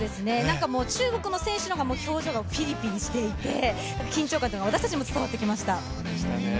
中国の選手の方が表情がピリピリしていて、緊張感というのが私たちにも伝わってきました。